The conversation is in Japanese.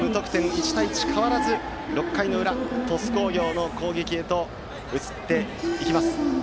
１対１は変わらず６回の裏の鳥栖工業の攻撃へと移っていきます。